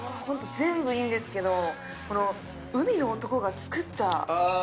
ホント全部いいんですけどこの海の男が造った。